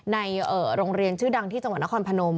ในโรงเรียนชื่อดังที่จังหวัดนครพนม